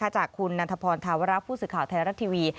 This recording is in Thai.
จากคุณนันทพรธาวระผู้สื่อข่าวไทยรัฐทีวี